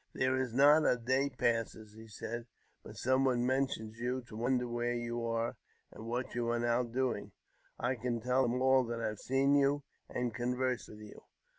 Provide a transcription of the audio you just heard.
"There is not a day passes," he said, "but some one mentions you, to wonder where you are, and what you are 200 AUTOBIOGliAPHY OF now doing. I can tell them all that I have seen you, and conversed vt^ith you."